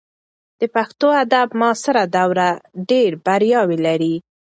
د پښتو ادب معاصره دوره ډېر بریاوې لري.